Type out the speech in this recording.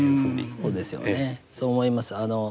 そうですよねそう思います。